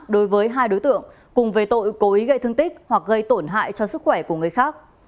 đối với hai đối tượng cùng về tội cố ý gây thương tích hoặc gây tổn hại cho sức khỏe của người khác